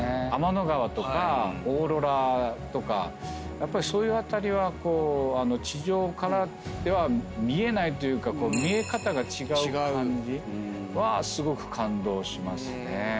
やっぱりそういう辺りは地上からでは見えないというか見え方が違う感じはすごく感動しますね。